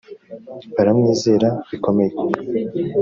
baramwizera bikomeye.